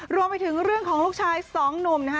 รวมไปถึงเรื่องของลูกชายสองหนุ่มนะคะ